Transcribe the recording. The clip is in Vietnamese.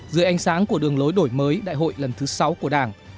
dưới ánh sáng của đường lối đổi mới đại hội lần thứ sáu của đảng